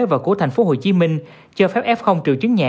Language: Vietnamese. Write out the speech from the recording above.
và của thành phố hồ chí minh cho phép f triệu chứng nhẹ